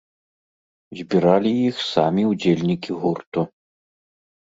Збіралі іх самі ўдзельнікі гурту.